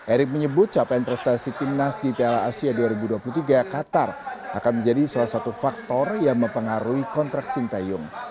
erick menyebut capaian prestasi timnas di piala asia dua ribu dua puluh tiga qatar akan menjadi salah satu faktor yang mempengaruhi kontrak sintayong